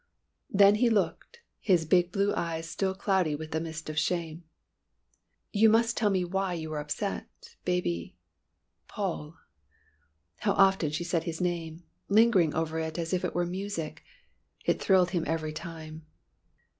Then he looked, his big blue eyes still cloudy with a mist of shame. "You must tell me why you were upset, baby Paul!" How often she said his name! lingering over it as if it were music. It thrilled him every time.